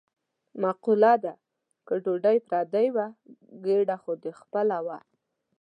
مقوله ده: که ډوډۍ پردۍ وه ګېډه خو دې خپله وه.